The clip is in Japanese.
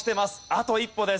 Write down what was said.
あと一歩です。